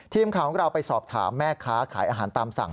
ทีมข่าวของเราไปสอบถามแม่ค้าขายอาหารตามสั่ง